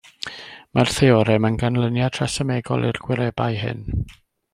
Mae'r theorem yn ganlyniad rhesymegol i'r gwirebau hyn.